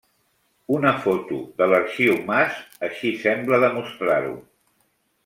Una foto de l'Arxiu Mas així sembla demostrar-ho.